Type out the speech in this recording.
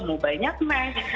mau banyak match